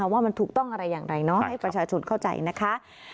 ว่ามันถูกต้องอะไรอย่างไรเนาะให้ประชาชนเข้าใจนะคะ